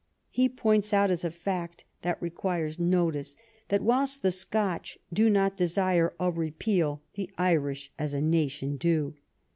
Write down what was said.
He points out as " a fact that requires notice that whilst the Scotch do not desire a repeal, the Irish as a nation do."